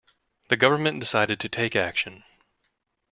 The government decided to take action.